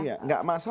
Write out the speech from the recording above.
iya gak masalah